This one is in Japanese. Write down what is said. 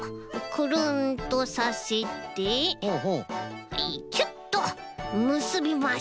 くるんとさせてキュッとむすびます。